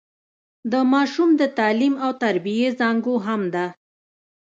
د ماشوم د تعليم او تربيې زانګو هم ده.